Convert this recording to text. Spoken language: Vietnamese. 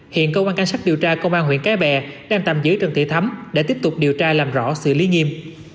hiện công an cảnh sát điều tra công an huyện cái bè đang tạm giữ trần thị thắm để tiếp tục điều tra làm rõ sự lý nghiêm